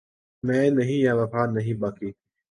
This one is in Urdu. میں نہیں یا وفا نہیں باقی